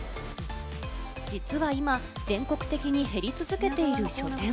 実は今、全国的に減り続けている書店。